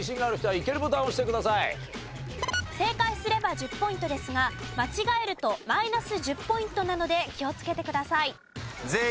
正解すれば１０ポイントですが間違えるとマイナス１０ポイントなので気をつけてください。